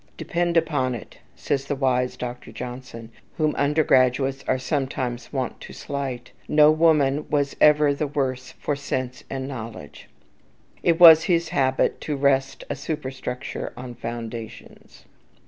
"Depend upon it," said the wise Dr. Johnson, whom undergraduates are sometimes wont to slight, "no woman was ever the worse for sense and knowledge." It was his habit to rest a superstructure on foundations.